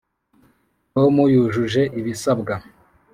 tom yujuje ibisabwa.